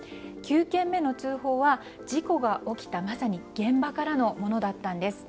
９件目の通報はまさに事故が起きた現場からのものだったんです。